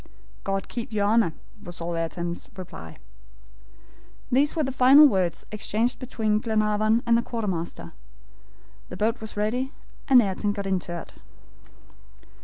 "God keep your Honor," was all Ayrton's reply. These were the final words exchanged between Glenarvan and the quartermaster. The boat was ready and Ayrton got into it.